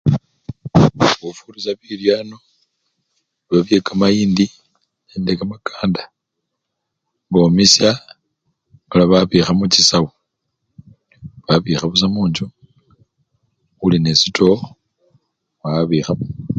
Khufurisha bibyano biba byekamayindi nende kamakanda bomisha mala babikha muchisawu babikha busa munjju ulinesitowo wabikhamo.